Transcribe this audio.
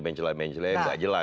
mencelai mencelai nggak jelas